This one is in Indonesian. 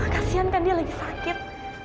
kasian kan dia lagi sakit